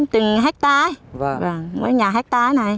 từng hectare mỗi nhà hectare này